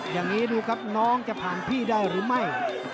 อย่างนี้ดูครับน้องจะผ่านพี่ได้หรือไม่